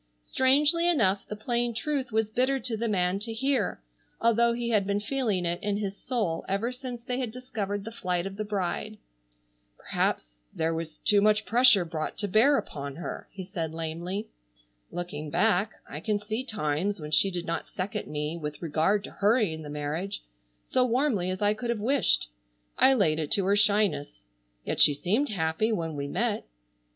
Strangely enough the plain truth was bitter to the man to hear, although he had been feeling it in his soul ever since they had discovered the flight of the bride. "Perhaps there was too much pressure brought to bear upon her," he said lamely. "Looking back I can see times when she did not second me with regard to hurrying the marriage, so warmly as I could have wished. I laid it to her shyness. Yet she seemed happy when we met.